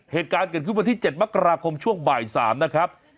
เหตุการณ์เกิดขึ้นวันที่๗มกราคมช่วงบ่าย๓นะครับ